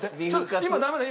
今ダメだよ。